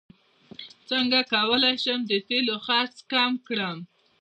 څنګه کولی شم د تیلو خرڅ کم کړم